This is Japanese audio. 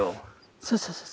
そうそうそうそう。